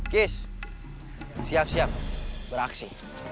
kis siap siap beraksi